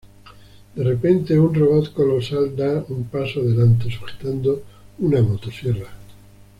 De repente, un robot colosal da un paso adelante, sujetando una motosierra.